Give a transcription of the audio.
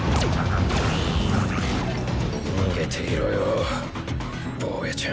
逃げていろよ坊やちゃん。